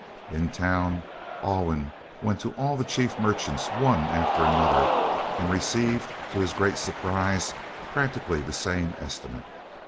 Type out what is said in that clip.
In town Alwyn went to all the chief merchants one after another and received to his great surprise practically the same estimate.